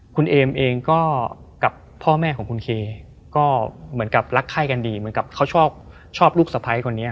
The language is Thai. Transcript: คุณเอมเองก็กับพ่อแม่ของคุณเคก็เหมือนกับรักไข้กันดีเหมือนกับเขาชอบลูกสะพ้ายคนนี้